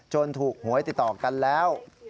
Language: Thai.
ถูกหวยติดต่อกันแล้ว